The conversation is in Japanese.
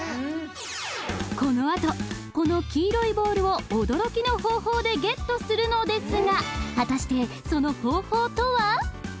このあとこの黄色いボールを驚きの方法でゲットするのですが果たしてその方法とは？